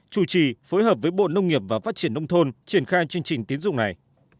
chủ trì phối hợp với bộ nông nghiệp và phát triển nông thôn triển khai chương trình tiến dụng này